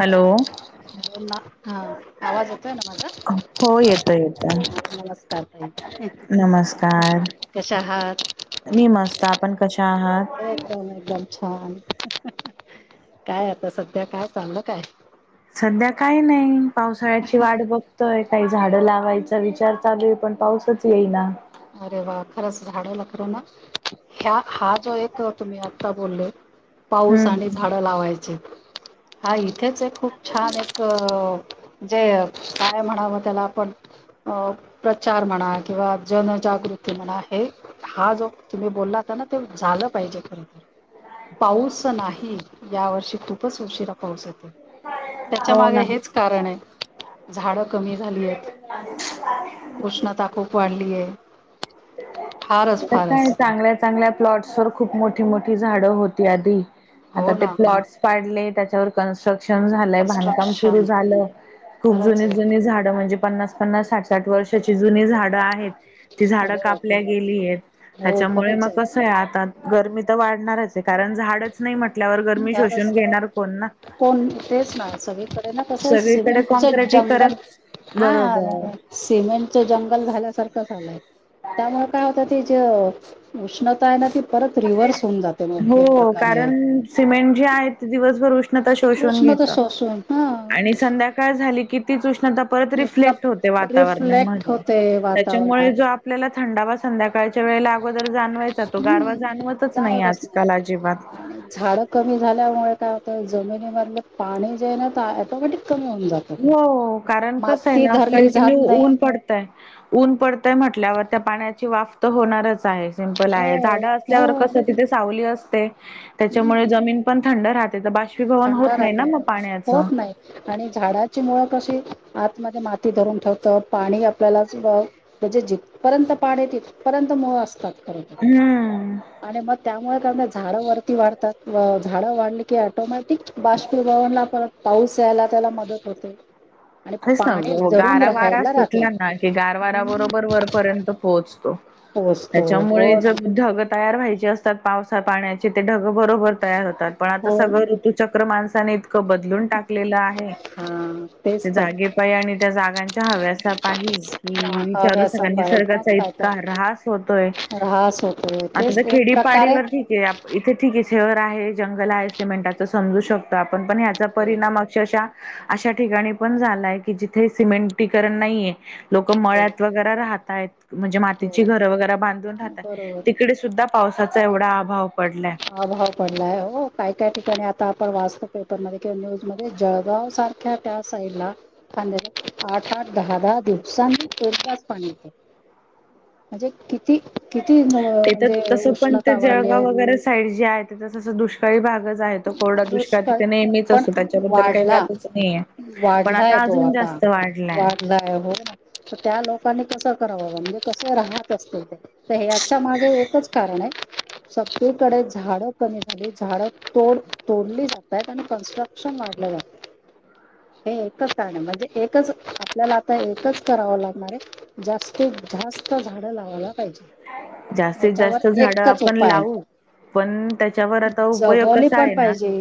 Hello! Hello ma'am हा आवाज येतो न माझा हो येतोय येतोय. नमस्कार तई नमस्कार. कशा आहात मी मस्त आपण कशा आहात? एकदम एकदम छान काय आता सध्या काय चालल काय सध्या काही नाही पावसाळ्याची वाट बघ य काही झाडं लावायचा विचार चालू आहे पण पाऊसच येईना. अरे वा खरंच झाडला खर ना. ह्या हा जो येतो तुम्ही आत्ता बोलले पाऊस आणि हम्म. झाडं लावायचे. हा इथेच एक खूप छान एक जे काय म्हणावं त्याला आपण अ प्रचार म्हणा किंवा जनजागृती म्हणा आहे हा जो तुम्ही बोललात ताना ते झालं पाहिजे खर तर, पाऊस नाही यावर्षी खुपच उशी पाऊस येतो त्याच्या हो मागे ना. हेच कारण आहे झाड कमी झाली आहेत [inaudible] वाढलीय. काय चांगल्या चांगल्या प्लॉट्स वर खूप मोठी मोठी झाडं होती आधी आता हो ना ते हो ना प्लॉट्स पाडले, त्याच्यावर कन्स्ट्रक्श ण झालंय बांधकाम सुरू कन्स्ट्रक्शन झालं खूप खरंच जुनी आहे. जुनी झाड म्हणजे पन्नास पन्नास साठ साठ वर्षाची जुनी झाडं आहेत ती झाडं अरे कापल्या बापरे गेली आहेत हो त्याच्यामुळे खरंच मग कसं आहे आता, गरमी तर वाढणारच आहे कारण झाडच नाही म्हटल्यावर गरमी फारच शोषून घेणार कोण ना कोण तेच ना सगळीकडे ना कसं सगळीकडे सिमेंटच कॉँक्रिटी जंगल करण हा बरोबर सिमेंटच जंगल झाल्यासारखं झालंय त्यामुळ काय होतं ती जे उष्णता आहे ना ती परत रिव्हर्स होऊन जाते मग एक हो प्रकारे कारण सिमेंट जे आहे ते दिवसभर उष्णता शोषून उष्णता घेत शोषून हा आणि संध्याकाळ झाली की तीच उष्णता परत उष्णता रिफलेक्ट होते रिफ्लेक्ट वातावरणामध्ये होते त्याच्यामुळे वातावरणात जो आप आपल्याला थंडावा संध्याकाळच्या वेळेला अगोदर जाणवायचा तो गारवाचं हम्म जाणवतच नाही आजकाल अजीबात आणि झाड कमी झाल्यामुळे काय होतं जमिनीमधलं पाणी जे हाय ना ते ॲटोमॅटिक कमी होऊन जातं. हो कारण कसंय माती ना धरली कंटिन्यू जात नाही ऊन पडतय ऊन पड तय म्हटल्यावर त्या पाण्याची वाफ तर होणारच आहे सिमपल आहे हो झाड असल्यावर हो कस तिथेचं सावली असते त्याच्यामुळे जमिन पण थंड राहते त्या बाष्प पी भवन थंड होत नाही ना राहते म पाण्याचं होत नाही आणि झाडाची मुळं कशी आतमध्ये माती धरून ठेवतात पाणी आपल्याला वर म्हणजे जिथं पर्यंत पाणी तिथं पर्यंत मुळ असतात खर हम्म. आणि म त्यामुळे का झाडं वरती वाढतात झाडं वाढली की ऍटोमॅट बाष्पीभवनला परत पाऊस यायला त्याला मदत होते. आणि होच ना पाणी हो जरून गारा वारा राहायला राहत्या सुटल्या ना की गार वारा बरोबर वरपर्यंत पोहोचतो. पोहोचतो हो त्याच्यामुळे ना जग ढगत तयार व्हायचे असतात पावसा पाण्याचे ते ढगं बरोबर तयार होतात पण आता हो सगळं ते चक्र माणसाने इतकं बदलून टाकलेलं आहे. हां त्या जागे पायी आणि त्या जागांच्या हव्यासा पाही कि विचारूच हव्यासा नका पाहिल मग निसर्गाचा इ काय का तर ऱ्हास होतोय, ऱ्हास होतोय आता त्या तेच एक खेडीपाडी प्रकारे वर ठीक ये आप इथे ठीक ये, शहर आहे, जंगल आहे, सिमेंटाच समजू शकतो आपण पण ह्याचा हो परिणाम स शा अशा ठिकाणी पण झालाय की जिथे सिमेंटीकरण नाहीये. लोक हो मळ्यात वगैरे राहतायेत म्हणजे मातीची हो घरं वगैरे बांधून राहताय बरोबर तिकडेचं सुद्धा पावसाचा एवढा अभाव पडलाय. अभाव पडलाय हो काय काय ठिकाणी आता आपण वाचतो पेपरमध्ये किंवा न्यूजमध्ये जळगाव सार ख्या त्या साईडला [unintelligible] आठ आठ दहा दहा दिवसांनी एकदाच पाणी येतय. म्हणजे किती किती म ते तर म्हणजे तसं पण उष्णता ते वाढलीये. जळगाव वगैरे साईड जे आहे ते तसं दुष्काळी भागच आहे तो कोरडा दुष्काळ तिथ नेहमीच पण असतो त्याच्याबद्दल काय वाढला वादच नाहीेये पण आता अजून जास्त वाढलाय वाद नाही हो ना त त्या लोकांनी कसं कराव? म्हणजे कसे राहत असतील ते? त हयाच्या मागे एकच कारण आहे सगळीकडे झाडं कमी झालीत झाडं तोड तोडली जातात आणि कन्स्ट्रक्शन वाढलं जाताय. हे एकच कारणये म्हणजे एकच आपल्याला आता एकच करावं लागणार ये. जास्तीत जास्त झाडं लावायला पाहिजे. जास्तीत ह्याच्यावर जास्त झाड एकच आपण उपाय लावू आहे पण त्याच्यावर आता उपयोग जगवली कसा पण आहे ना पाहिजे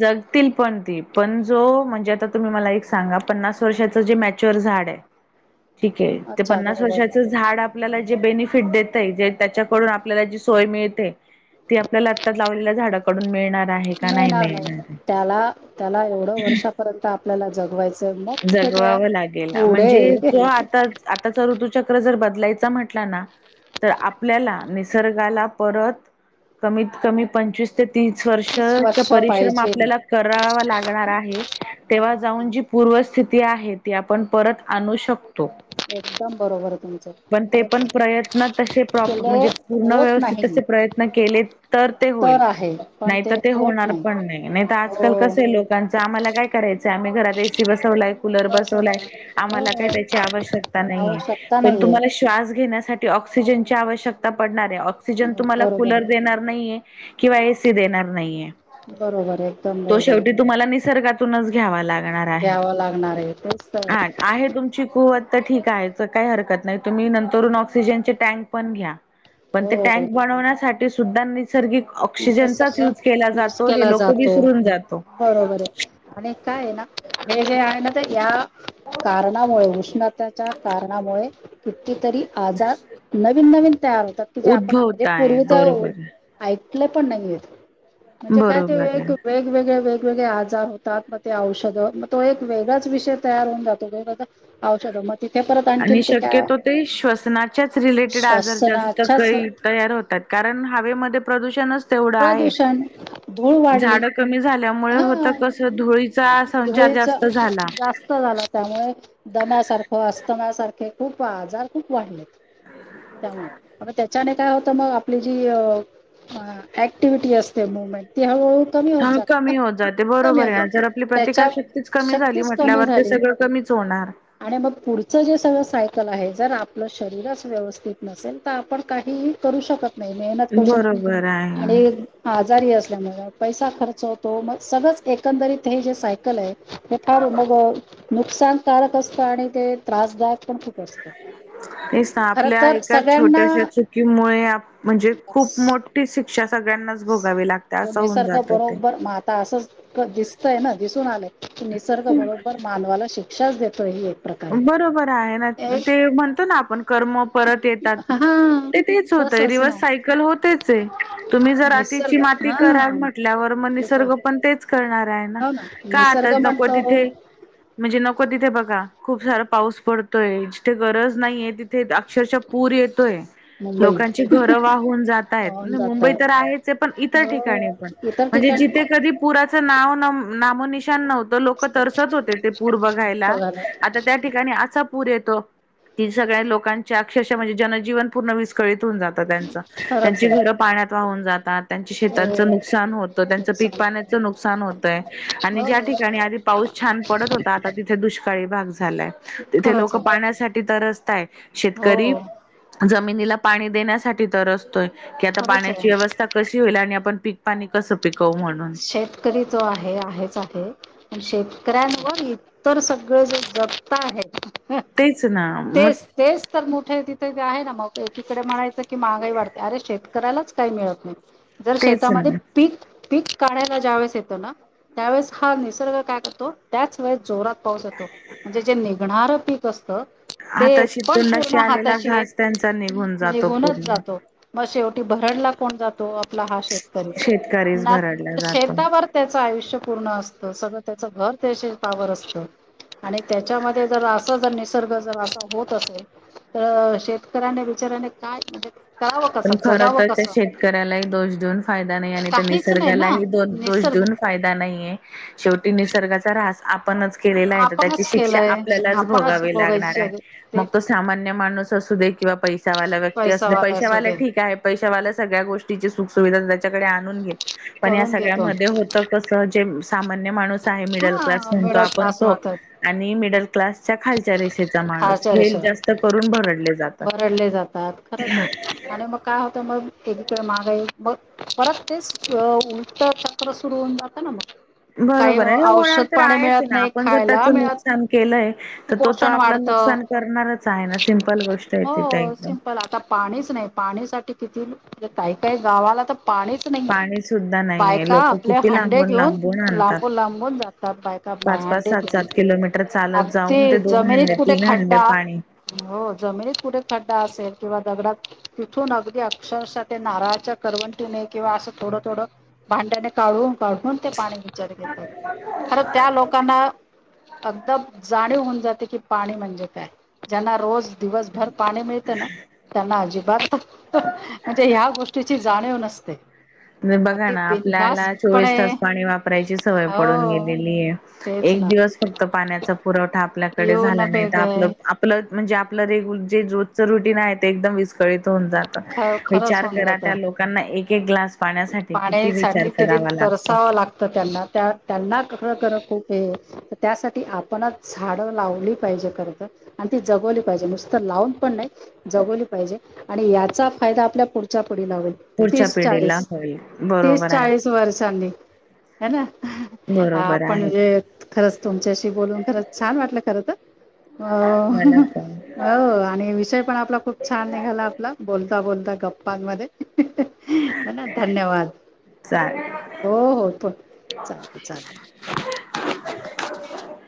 जगतील पण ती पण जो म्हणजे आता तुम्ही मला एक सांगा पन्नास वर्षाच जे मॅच्युअर झाड आहे [unintelligible] ठीक आहे ते अच्छा पन्नास बरोबर वर्षाच झाड आपल्याला जे बेनिफिट देत. त्याच्याकडून आपल्याला जी सोय मिळते ती आपल्याला आता लावलेल्या झाड कडून मिळणार आहे. मिळणार नाही त्याला त्याला एवढं वर्षापर्यंत आपल्याला जगवायचं. मग कुठे त्या जगवावं लागेल म्हणजे पुढे जो आता आताच ऋतुचक्र जर बदलायच म्हटला ना तर आपल्याला निसर्गाला परत कमीत कमी पंचवीस तीस वर्ष वर्ष परिश्रम पाहिजे आपल्याला करावा लागणार आहे तेव्हा अगदी जाऊन जी पूर्वस्थिती आहे ती आपण परत आणू शकतो. एकदम बरोबर आहे तुमचं पण ते खरंच पण आहे प्रयत्न तसे प्रॉपर केले म्हणजे पूर्ण होत व्यवस्थित नाही तसे प्रयत्न केले तर ते होईल तर आहे पण नाही तर ते होत होणार पण नाही नाही तर हो आजकाल कसे लोक आम्हाला काय करायच आहे आम्ही ए, सी बसवला, कुलर बसवला आहे आम्हाला काय हो त्याची आवश्यकता नाहीय आवश्यकता पण नाहीये तुम्हाला श्वास घेण्यासाठी ऑक्सिजन ची आवश्यकता पडणार आहे. ऑक्सिजन तुम्हाला बरोबर कुलर देणार? नाहीे किंवा एसी देणार नाहीे. बरोबर आहे. एकदम बरोबर आहे. तुम्हाला निसर्गातूनच घ्यावा लागणार आहे. द्याव लागणार आहे तेच तर हा आहे तुमची कुवत तर ठीक आहे काही हरकत नाही तुम्ही नंतरून ऑक्सिजनचे टँक पण घ्या. [unintelligible] पण ते टँक बनवण्यासाठी सुद्धा नैसर्गिक ऑक्सिजनचाच निसर्ग युज केला यूज जातो हे केला लोक जातो विसरून जातो. बरोबर आहे आणि काय ना हे जे आहे ना ते या कारणामुळे उष्णता त्याच्या कारणामुळे कितीतरी आजार नवीन नवीन तयार होतात की जे आपण आपले उद्भवताय पूर्वीचा बरोबर आहे ऐकलं पण नाही य म्हणजे काय ते बरोबर वेग, आहे. वेग वेगवेगळे वेगवेगळे आजार होतात मग ते औषधं मग तो एक वेगळाच विषय तयार होऊन जातो. औषध म आणि शक्यतो ते श्वसनाच्याच रिलेटेड आजार जास्त श्वसनाच्याच काही तयार होतात कारण हवेमध्ये प्रदूषणच तेवढ आहे प्रदूषण धूळ वाढली झाड कमी झाल्यामुळे होत हा कस धुळीचा संचार धुळीच जास्त झाला. जास्त झाला त्यामुळे दम्यासारखं अस्तम्यासारखे खूप आजार खूप वाढलेत. त्यामुळे त्याने काय होतं मग आपली जी ऍक्टिव्हटी असते मुवमेंट ती हळू कमी होत जात. ते बरोबर आहे जर आपली त्याच्या प्रतिकारशक्तीच कमी झाली शक्तीच कमी म्हटल्यावर ते झाली सगळं कमीच होणार. आणि मग पुढच जे सगळं सायकल आहे जर आपलं शरीरच व्यवस्थित नसेल. आपण काहीही करू शकत नाही. मेहनत करू शकत नाही बरोबर आहे आणि आजारी असल्यामुळे पैसा खर्च होतो मग सगळंच एकंदरीत हे जे सायकल आहे. हे मग नुकसानकारक असतं आणि ते त्रासदायक पण खूप असतं. स ना खर आपल्या तर एका सगळ्यांना छोट्याश्या चुकीमुळे म्हणजे खूप मोठ तो होऊन निसर्ग जातं ते. बरोबर मग आता असं दिसतय ना दिसून आले निसर्ग बरोबर मानवाला शिक्षाच देतो ही एक प्रकारे बरोबर आहे. ना ते म्हणतो ना आपण कर्म परत येतात. हा ते तेच तस होतं अस रिव्हर्स ना साईड तुम्ही जर आातची निसर्ग माती हा कराल म्हटल्यावर मग निसर्ग हो पण तेच करणार आहे ना का निसर्ग आताच नको म्हणतो तिथे म्हणजे नको तिथे बघा खूप सारा पाऊस पडतोय जिथे गरज नाहीय तिथ. थेट अक्षरशः पूर येतोय. मुंबई लोकांची घर वाहून जातय वाहून मुंबई जातात तर आहेच आहे पण इतर हो ठिकाणी पण इतर म्हणजे ठिकाणी जिथे कधी. पुराचं नाव नामोनिशान नव्हतं लोक असतं तरसत होते ते पूर बघायला. आता त्या ठिकाणी असा पूर येतो. ती सगळ्या लोकांच्या अक्षरशा म्हणजे जनजीवन पूर्ण विस्कळीत होऊन जात. तर त्यांचा खरंच त्यांची आहे. घर पाण्यात वाहून जातात. त्यांच्या शेतांचं हो नुकसान होतं. त्यांच्या नुकसान होतं. पीकपाण्याचं नुकसान होतय आणि ज्या हो ठिकाणी आधी पाऊस छान पडत होता. आता तिथे दुष झालाय तिथे खरंच लोक आहे. पाण्यासाठी तरसताय शेतकरी हो जमिनीला पाणी देण्यासाठी तरसतोय की आता खरंच पाण्याची आहे. व्यवस्था. कशी होईल आणि आपण पीक पाणी कसं पिकवु म्हणून. शेतकरी जो आहे आहेच आहे. पण शेतकऱ्यांवर इतर सगळं जे जगत आहेत. तेच ना मग.. तेच तेच तर मोठे तिथे आहे ना मग एकीकडे म्हणायचं की महागाई वाढते अरे शेतकऱ्यालाच काही मिळत नाही जर तेच ना शेतामध्ये पीक पीक काढायला ज्या वेळेस येत ना.. त्यावेळेस हा निसर्ग काय करतो? त्याच वेळेस जोरात पाऊस होतो. म्हणजे जे निघणारं पीक असतं. ते हाताशी पण तोंडाशी पूर्ण आलेला घास हाताशीेत त्यांचा निघून जातो निघूनच पूर्ण. जातो. मग शेवटी भरडला कोण जातो? आपला हा शेतकरी... शेतकरीच ना भरडला जातो. शेतावर त्याचं आयुष्य पूर्ण असतं सगळं त्याचं घर तेशीलपावर असतं. आणि त्याच्यामध्ये जर असं जर निसर्ग जर असा होत असेल तर शेतकऱ्यांना बिचाराने काय म्हणजे करावं कसं जगावं कसं. शेतकऱ्याला दोष देऊन फायदा नाही आणि त्यां काहीच नाही ना निसर्गालाही दोष निसर्ग देऊन फायदा नाही. शेवटी निसर्गाचा ऱ्हास आपणच केलेला आहे त्याची आपणच शिक्षा केलंय आपल्यालाच आपणच भोगावी लागणार बघायची आहे ते मग तो सामान्य माणूस असू दे किंवा पै चहावाला व्यक्ती असुदे असू पैसावाला दे ठीक पैशवाल्या सगळ्या गोष्टीची सुख सुुविधा त्याच्याकडे आणून घेल पण या करून घेतो सगळ्यामध्ये तर कस जे सामान्य माणूस आहे मिडल हा क्लास म्हणतो मिडल आपण क्लास तो.. मात्र आणि मिडल क्लासच्या खालच्या रे माणूस खालच्या हे रेषेवर जास्त करून भरडले जातात. भरडले जातात खरंच आहे आणि मग काय होतं मग एकवेळ मागाई मग परत तेच उलट चक्र सुरू होऊन जातं ना मग.. काही बरोबर आहे आणि होणार औषध तर पाणी आहेच आहे मिळत ना नाही आपण जर खायला त्याचं मिळत नुकसान केलंय तर तो तर कुपोषण आपला वाढतं नुकसान करणारच आहे ना सिम्पल गोष्ट आहे तिथे हो एकदम सिंपल आता पाणीच नाही पाणी साठी किती म्हणजे काही काही गावाला तर पाणीच पाणी सुद्धा नाहीये. बायका लोकं आपले किती हांडे घेऊन लांबून-लांबून आणतात. लांबून लांबून जात. बायका भांडे घेऊन किलोमीटर चालत जाऊन ते अगदी जमिनीत हंडे, कुठे हंडे खड्डा पाणी हो जमिनीत कुठे खड्डा असेल किंवा दगडात तिथून अगदी अक्षरशः ते नारळाच्या करवंटीने किंवा असं थोडं, थोडं भांड्याने काढून, काढून. पाणी बिचार देताय खर त्या लोक लोकांना आता जाणीव होऊन जाते की पाणी म्हणजे काय? ज्यांना रोज दिवसभर पाणी मिळतना. त्यांना अजिबात म्हणजे ह्या गोष्टीची जाणीव नसते. बघा अगदी ना... आपल्याला चोवीस बिंदासपणे तास पाणी वापरायची सवय पडून हो गेलेली आहे. तेच एक ना दिवस फक्त पाण्याचा पुरवठा आपल्याकडे येऊ झाला नको नाही तर येत आपलं प्लस म्हणजे आपलं रेग्युलर जे रोजच रुटीन आहे ते एकदम वि होऊन जात खरंच विचार करा त्या लोकांना एक एक ग्लास पाण्यासाठी किती पाण्या विचार साठी किती करावा लागतो. तरसाव लागतं त्यांना खर-खर खूप तर त्यासाठी आपणच झाडं लावली पाहिजे खरंतर. आणि ती जगवली पाहिजे नुसत तर लावून पण नाही. जगवली पाहिजे आणि याचा फायदा आपल्या पुढच्या पुढ होईल. पुढच्या तीस पिढीला चाळीस होईल बरोबर आहे. वर्षांनी ह ना बरोबर आपण आहे म्हणजे खरंच तुमच्याशी बोलून खरंच छान वाटलं खर तर. अ मला पण हो आणि विषय पण आपला खूप छान निघाला. बोलता-बोलता गप्पांमध्ये [unintelligible] ना धन्यवाद. चालेल. हो-हो पण चालेल-चालेल.